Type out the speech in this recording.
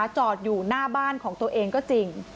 จอดอยู่หน้าบ้านของตัวเองก็จริง